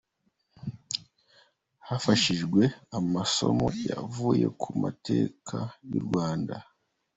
Hifashishijwe amasomo yavuye ku mateka y’u Rwanda.